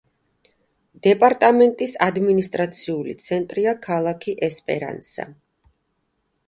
დეპარტამენტის ადმინისტრაციული ცენტრია ქალაქი ესპერანსა.